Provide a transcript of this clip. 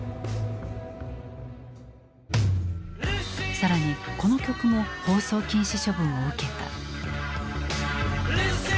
更にこの曲も放送禁止処分を受けた。